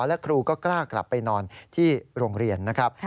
และครูก็กล้ากลับไปนอนที่โรงเรียนนะครับ